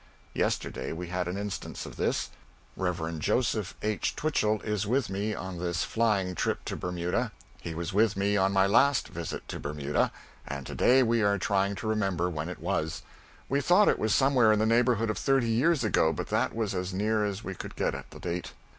Yesterday we had an instance of this. Rev. Joseph H. Twichell is with me on this flying trip to Bermuda. He was with me on my last visit to Bermuda, and to day we were trying to remember when it was. We thought it was somewhere in the neighborhood of thirty years ago, but that was as near as we could get at the date.